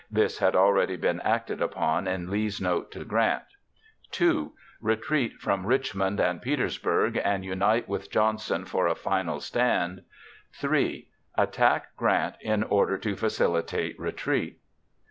(This had already been acted upon in Lee's note to Grant.) (2) Retreat from Richmond and Petersburg and unite with Johnston for a final stand. (3) Attack Grant in order to facilitate retreat.